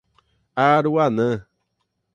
Aruanã